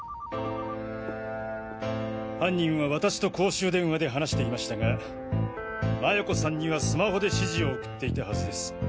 犯人は私と公衆電話で話していましたが麻也子さんにはスマホで指示を送っていたはずです。